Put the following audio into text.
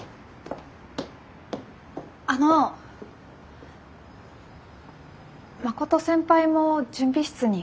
あの真琴先輩も準備室に？